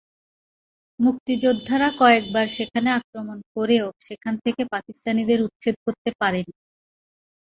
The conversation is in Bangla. মুক্তিযোদ্ধারা কয়েকবার সেখানে আক্রমণ করেও সেখান থেকে পাকিস্তানিদের উচ্ছেদ করতে পারেননি।